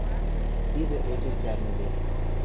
Тидӹ эче цӓрнӹде.